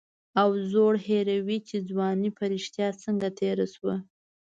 او زوړ هېروي چې ځواني په رښتیا څنګه تېره شوه.